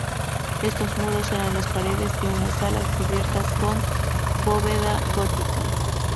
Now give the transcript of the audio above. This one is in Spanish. Estos muros eran las paredes de una salas cubiertas con bóveda gótica.